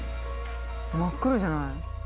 真っ暗じゃない。